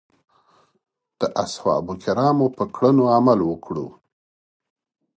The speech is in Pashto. د اصحابو کرامو په کړنو عمل وکړو.